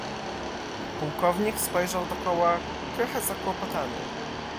"Pułkownik spojrzał dokoła trochę zakłopotany."